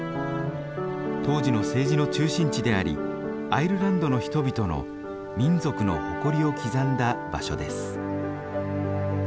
当時の政治の中心地でありアイルランドの人々の民族の誇りを刻んだ場所です。